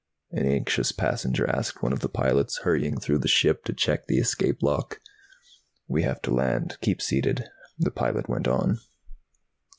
an anxious passenger asked one of the pilots, hurrying through the ship to check the escape lock. "We have to land. Keep seated." The pilot went on.